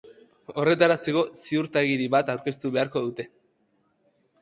Horretaratzeko, ziurtagiri bat aurkeztu beharko dute.